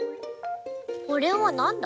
これはなんだ？